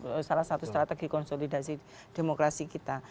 itu kan sebetulnya salah satu strategi konsolidasi demokrasi kita